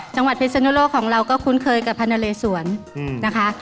จังหวัดเฟศนุโลกของเราก็คุ้นเคยกับพระนาเลสวรรค์นะคะ